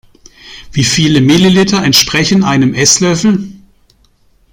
Wie viele Milliliter entsprechen einem Esslöffel?